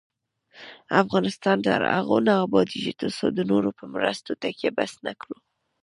افغانستان تر هغو نه ابادیږي، ترڅو د نورو په مرستو تکیه بس نکړو.